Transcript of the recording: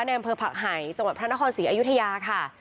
อำเภอผักไห่จังหวัดพระนครศรีอยุธยาค่ะ